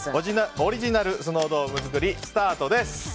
オリジナルスノードーム作りスタートです。